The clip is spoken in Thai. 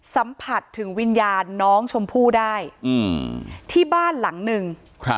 สัมผัสถึงวิญญาณน้องชมพู่ได้ที่บ้านหลังหนึ่ง